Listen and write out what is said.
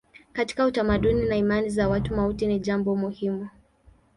Katika utamaduni na imani za watu mauti ni jambo muhimu.